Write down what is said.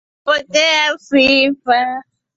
Bwana pokea sifa.